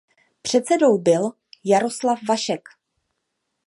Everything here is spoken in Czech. Předsedou byl Jaroslav Vašek.